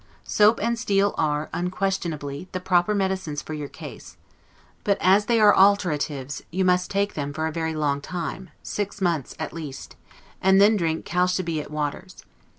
Soap and steel are, unquestionably, the proper medicines for your case; but as they are alteratives, you must take them for a very long time, six months at least; and then drink chalybeate waters.